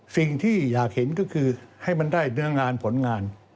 สิ่งที่อยากเห็นก็คือให้มันได้เนื้องานผลงาน